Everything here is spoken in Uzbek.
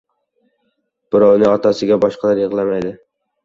• Birovning otasiga boshqalar yig‘lamaydi.